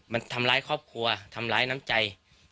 มันทำร้ายครอบครัวทำร้ายน้ำใจ